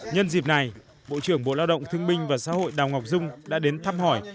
nhân dịp này bộ trưởng bộ lao động thương minh và xã hội đào ngọc dung đã đến thăm hỏi